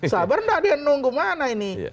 sabar tidak dia nunggu mana ini